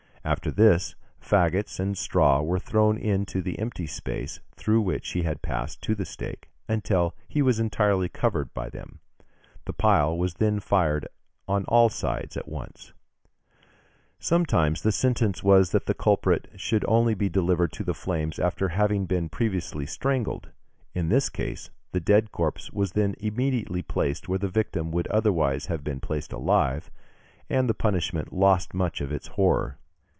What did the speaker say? After this, faggots and straw were thrown into the empty space through which he had passed to the stake, until he was entirely covered by them; the pile was then fired on all sides at once (Fig. 345). Sometimes, the sentence was that the culprit should only be delivered to the flames after having been previously strangled. In this case, the dead corpse was then immediately placed where the victim would otherwise have been placed alive, and the punishment lost much of its horror.